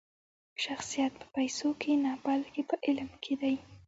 شخصیت په پیسو کښي نه؛ بلکي په علم کښي دئ.